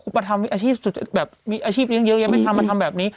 แค่ว่าประทำอาชีพสุดแบบมีอาชีพเรื่องเยอะยังไม่ทำมาทำแบบนี้